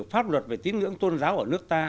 pháp luật về tín ngưỡng tôn giáo ở nước ta